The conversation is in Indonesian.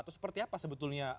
atau seperti apa sebetulnya